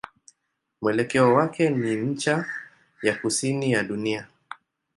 Mwelekeo wake ni ncha ya kusini ya dunia.